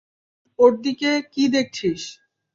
ওর দিকে কী দেখছিস?